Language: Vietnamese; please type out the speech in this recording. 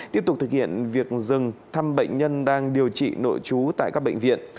tiếp tục thực hiện việc dừng thăm bệnh nhân đang điều trị nội trú tại các bệnh viện